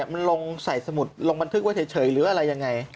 มันลงใส่สมุดลงบันทึกไว้เฉยหรืออะไรยังไง